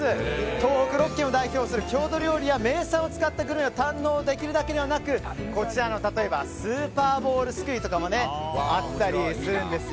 東北６県を代表する郷土料理や名産を使ったグルメを堪能できるだけではなくスーパーボールすくいとかもあったりするんです。